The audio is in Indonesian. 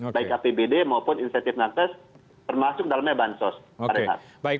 baik apbd maupun insentif nakes termasuk dalamnya bansos